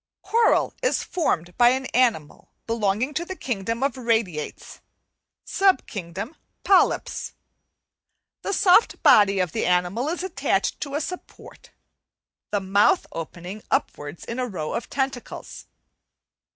"Coral is formed by an animal belonging to the kingdom of Radiates, sub kingdom Polypes. The soft body of the animal is attached to a support, the mouth opening upwards in a row of tentacles.